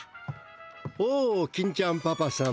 おお金ちゃんパパさん。